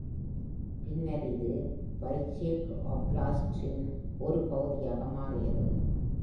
பின்னர் இது Vitebsk oblast இன் ஒரு பகுதியாக மாறியது.